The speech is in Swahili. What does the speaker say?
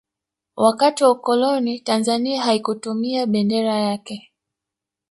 wakati wa ukoloni tanzania haikutumia bendera yake